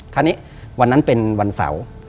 คราวนี้วันนั้นเป็นวันเสาร์